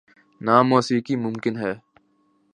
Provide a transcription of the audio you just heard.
نہ موسیقی ممکن ہے۔